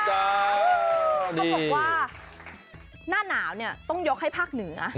เขาบอกว่าหน้าหนาวเนี่ยต้องยกให้ภาคเหนือ